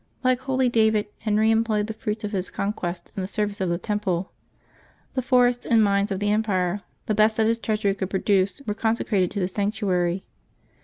Like holy David, Henry employed the fruits of his con quests in the service of the temple. The forests and mines of the empire, the best that his treasury could produce, were consecrated to the sanctuary.